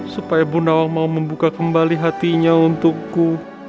supaya bunda wong mau membuka kembali hatinya untukku